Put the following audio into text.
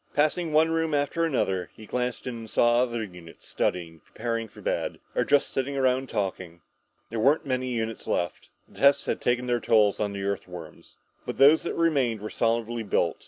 Passing one room after another, he glanced in and saw other units studying, preparing for bed, or just sitting around talking. There weren't many units left. The tests had taken a toll of the Earthworms. But those that remained were solidly built.